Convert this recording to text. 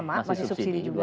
masih subsidi juga